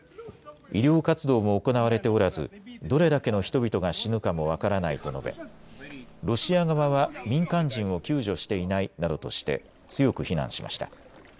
医療活動も行われておらずどれだけの人々が死ぬかも分からないと述べロシア側は民間人を救助していないなどとして強く非難しました。